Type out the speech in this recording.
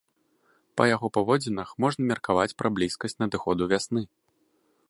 Па яго паводзінах можна меркаваць пра блізкасць надыходу вясны.